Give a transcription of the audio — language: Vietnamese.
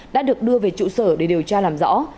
đã được đưa về trụ sở để điều tra làm rõ